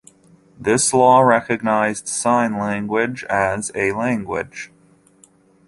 This law recognized sign language as a language.